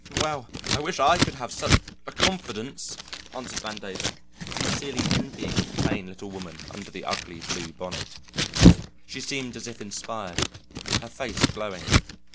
"Well, I wish I could have such a confidence," answered Vandover, sincerely envying the plain little woman under the ugly blue bonnet. She seemed as if inspired, her face glowing.